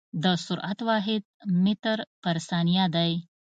د سرعت واحد متر پر ثانیه دی.